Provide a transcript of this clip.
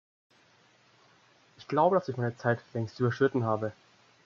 Ich glaube, dass ich meine Zeit längst überschritten habe.